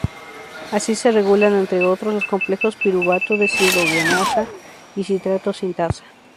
Así se regulan, entre otros, los complejos piruvato deshidrogenasa y citrato sintasa.